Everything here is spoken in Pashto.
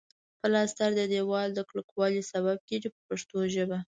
پلستر د دېوال د کلکوالي سبب کیږي په پښتو ژبه.